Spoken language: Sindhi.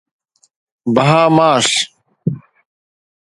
بهاماس